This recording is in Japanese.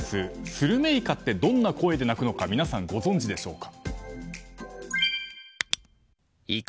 スルメイカってどんな声で鳴くのか皆さん、ご存じでしょうか。